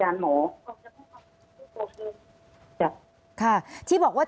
อันดับที่สุดท้าย